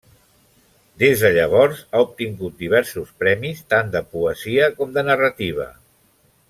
Des de llavors ha obtingut diversos premis tant de poesia com de narrativa.